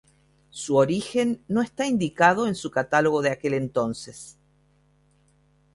Su origen no está indicado en su catálogo de aquel entonces.